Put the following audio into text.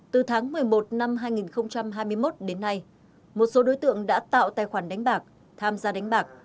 từ tháng một mươi một năm hai nghìn hai mươi một đến nay một số đối tượng đã tạo tài khoản đánh bạc tham gia đánh bạc